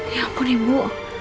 ya ampun ibu